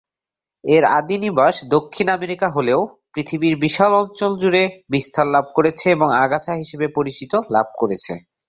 এর আদি নিবাস দক্ষিণ আমেরিকা হলেও পৃথিবীর বিশাল অঞ্চল জুড়ে বিস্তার লাভ করেছে এবং আগাছা হিসেবে পরিচিতি লাভ করেছে।